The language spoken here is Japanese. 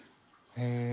へえ。